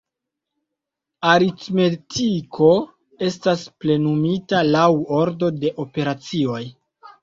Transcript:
Aritmetiko estas plenumita laŭ ordo de operacioj.